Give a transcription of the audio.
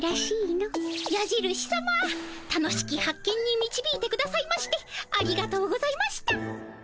やじるしさま楽しき発見にみちびいてくださいましてありがとうございました。